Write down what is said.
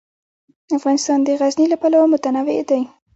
افغانستان د غزني له پلوه متنوع دی.